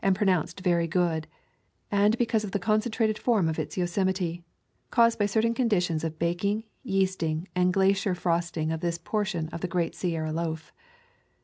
192 ] Twenty Hiill Hollow pronounced very good; and because of the con centrated form of its Yosemite, caused by cer tain conditions of baking, yeasting, and glacier frosting of this portion of the great Sierra loaf.